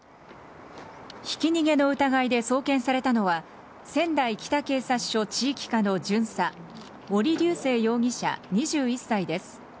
ひき逃げの疑いで送検されたのは、仙台北警察署地域課の巡査、森瑠世容疑者２１歳です。